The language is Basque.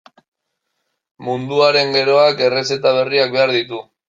Munduaren geroak errezeta berriak behar ditu.